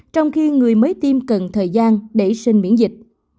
trong khi người mới tiêm cần thời gian để sinh miễn dịch